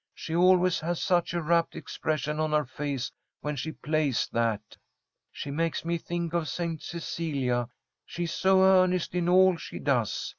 She always has such a rapt expression on her face when she plays that. She makes me think of St. Cecilia. She's so earnest in all she does.